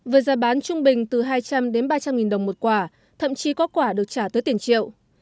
với giá bán trung bình từ hai trăm linh đến ba trăm linh nghìn đồng một quả thậm chí có quả được trả tới tiền triệu